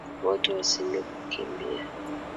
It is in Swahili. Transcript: Wote wasingekukimbia